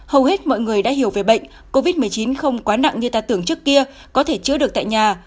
hầu hết mọi người đã hiểu về bệnh covid một mươi chín không quá nặng như ta tưởng trước kia có thể chữa được tại nhà